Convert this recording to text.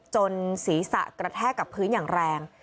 ศีรษะกระแทกกับพื้นอย่างแรง